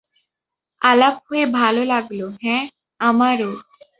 আলাপ হয়ে ভালো লাগলো হ্যাঁ, আমারও।